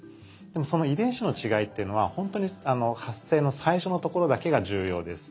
その遺伝子の違いっていうのはほんとに発生の最初のところだけが重要です。